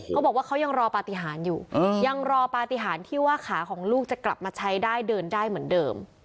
เขาบอกว่าเขายังรอปฏิหารอยู่ยังรอปฏิหารที่ว่าขาของลูกจะกลับมาใช้ได้เดินได้เหมือนเดิม